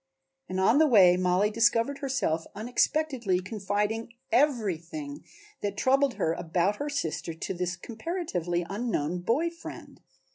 And on the way Mollie discovered herself unexpectedly confiding everything that troubled her about her sister to this comparatively unknown boy friend.